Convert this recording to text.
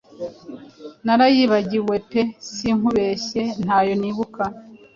Narayibagiwe pe sinkubeshye ntayo nibuka